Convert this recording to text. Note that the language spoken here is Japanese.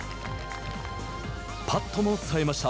パットもさえました。